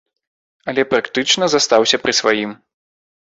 Але практычна застаўся пры сваім.